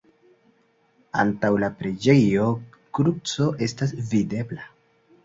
Antaŭ la preĝejo kruco estas videbla.